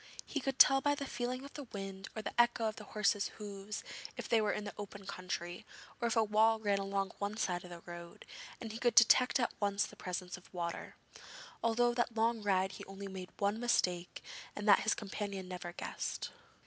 He could tell by the feeling of the wind or the echo of the horses' hoofs if they were in the open country, or if a wall ran along one side of the road, and he could detect at once the presence of water. All through that long ride he only made one mistake and that his companion never guessed.